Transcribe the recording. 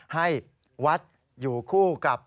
ให้วัดอยู่คู่กับ